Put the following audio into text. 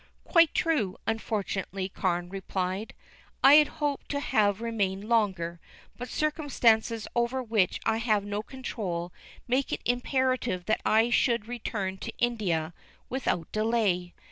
"Quite true, unfortunately," Carne replied. "I had hoped to have remained longer, but circumstances over which I have no control make it imperative that I should return to India without delay.